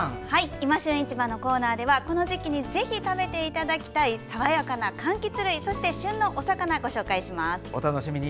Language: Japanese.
「いま旬市場」のコーナーではこの時期にぜひ食べていただきたい爽やかなかんきつ類そして、旬のお魚をご紹介します。